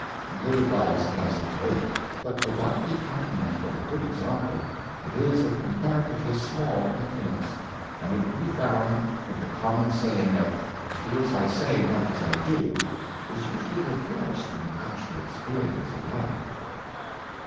Good advice has its weight; but without the accompaniment of a good example it is of comparatively small influ ence; and it will be found that the common saying of *' Do as I say, not as I do " is usually reversed in the actual experience of life.